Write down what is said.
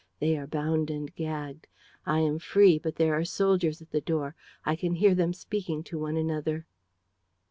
They are bound and gagged. I am free, but there are soldiers at the door. I can hear them speaking to one another.